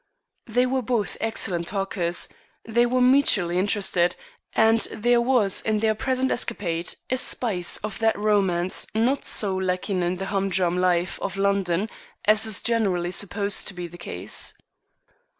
They were both excellent talkers, they were mutually interested, and there was in their present escapade a spice of that romance not so lacking in the humdrum life of London as is generally supposed to be the case.